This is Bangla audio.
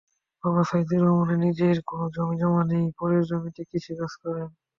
বাবা সাইদুর রহমানের নিজের কোনো জমিজমা নেই, পরের জমিতে কৃষিকাজ করেন।